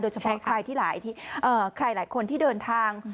เฉพาะใครหลายคนที่เดินทาง